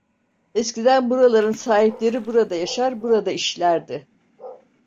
Eskiden buraların sahipleri burada yaşar, burada işlerdi.